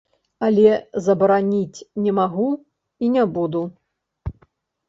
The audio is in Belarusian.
Але забараніць не магу і не буду.